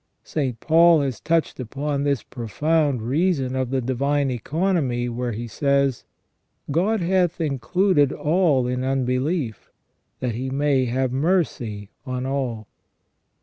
St. Paul has touched upon this profound reason of the divine economy where he says: "God hath included all in unbelief, that He may have mercy on all